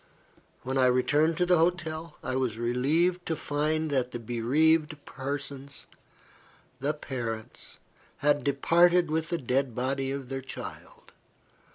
When I returned to the hotel, I was relieved to find that the bereaved parents had departed with the dead body of their child.